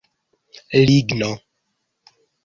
ligno